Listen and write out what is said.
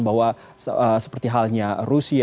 bahwa seperti halnya rusia